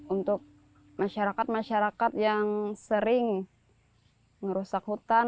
untuk masyarakat masyarakat yang sering merusak hutan